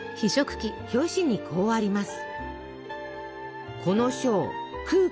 表紙にこうあります。